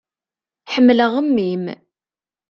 Ḥemmleɣ mmi-m.